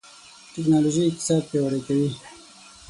ټکنالوژي اقتصاد پیاوړی کوي.